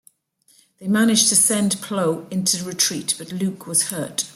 They managed to send Plo into retreat, but Luke was hurt.